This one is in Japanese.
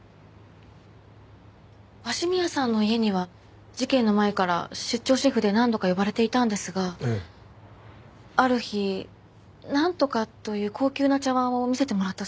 鷲宮さんの家には事件の前から出張シェフで何度か呼ばれていたんですがある日なんとかという高級な茶碗を見せてもらったそうです。